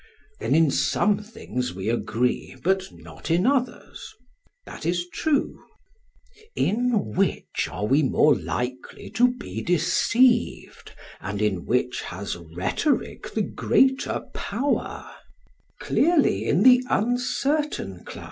SOCRATES: Then in some things we agree, but not in others? PHAEDRUS: That is true. SOCRATES: In which are we more likely to be deceived, and in which has rhetoric the greater power? PHAEDRUS: Clearly, in the uncertain class.